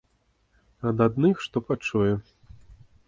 Ад адных што пачуе.